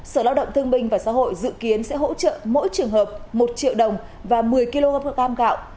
sở lao động thương binh và xã hội dự kiến sẽ hỗ trợ mỗi trường hợp một triệu đồng và một mươi kg gạo